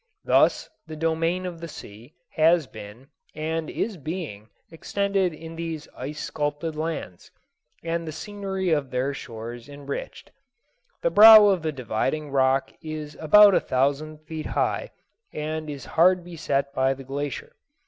Thus the domain of the sea has been, and is being, extended in these ice sculptured lands, and the scenery of their shores enriched. The brow of the dividing rock is about a thousand feet high, and is hard beset by the glacier.